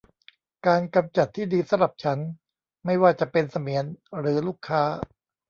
การกำจัดที่ดีสำหรับฉัน ไม่ว่าจะเป็นเสมียนหรือลูกค้า